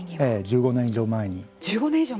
１５年以上前に。